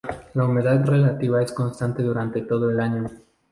La humedad relativa es constante durante todo el año.